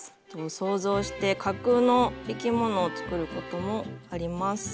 想像して架空の生き物を作ることもあります。